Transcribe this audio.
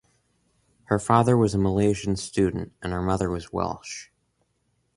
Her father was a Malaysian student, and her mother Welsh.